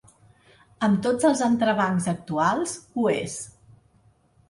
Amb tots els entrebancs actuals, ho és.